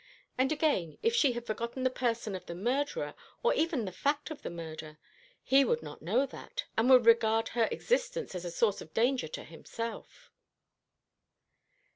And again, if she had forgotten the person of the murderer, or even the fact of the murder, he would not know that, and would regard her existence as a source of danger to himself."